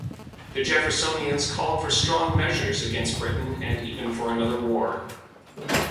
The Jeffersonians called for strong measures against Britain, and even for another war.